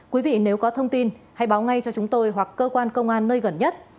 quý vị nếu có thông tin hãy báo ngay cho chúng tôi hoặc cơ quan công an nơi gần nhất